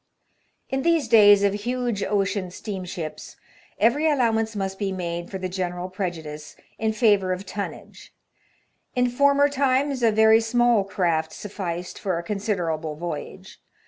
In these days of huge ocean steamships every allow ance must be made for the general prejudice in favour HAZARDOUS VOYAGES, 89 of tonnage. In former times a very small craft sufficed for a considerable voyage.